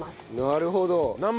なるほど！